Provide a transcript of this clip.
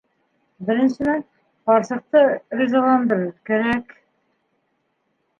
Беренсенән, ҡарсыҡты ризаландырыр кәрәк...